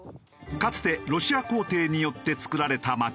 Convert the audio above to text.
かつてロシア皇帝によって作られた街